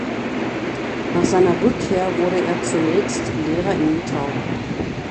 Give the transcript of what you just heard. Nach seiner Rückkehr wurde er zunächst Lehrer in Mitau.